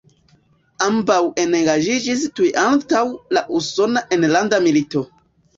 Ambaŭ engaĝiĝis tuj antaŭ la Usona Enlanda Milito.